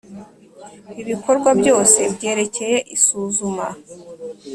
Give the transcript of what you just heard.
Ibikorwa byose byerekeye isuzuma